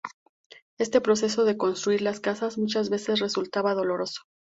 Este proceso de construir las casas, muchas veces resultaba doloroso.